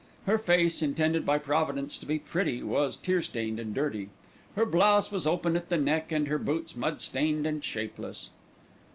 Her face, intended by Providence to be pretty, was tear stained and dirty. Her blouse was open at the neck and her boots mud stained and shapeless.